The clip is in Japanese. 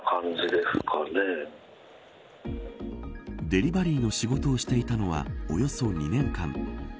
デリバリーの仕事をしていたのは、およそ２年間。